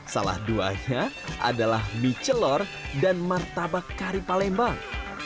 salah duanya adalah mie celor dan martabak kari palembang